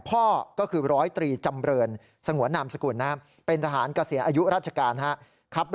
พ่อก็คือรตรีจำเรินสงวนอำสักุลนะครับ